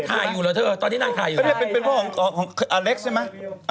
นั่นค่ายอยู่หรอเถอะตอนนี้นั่นค่ายอยู่เป็นพ่อของของของของอเล็กซ์ใช่ไหม